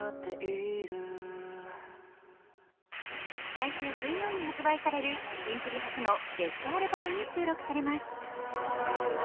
来週、水曜に発売されるキンプリ初のベストアルバムに収録されます。